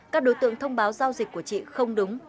các đối tượng thông báo giao dịch của chị không đúng